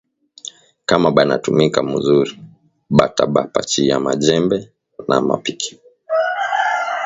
Kama bana tumika muzuri, bata ba pachiya ma jembe na ma mpiki